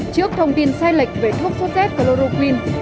trước thông tin sai lệch về thuốc sốt z chloroquin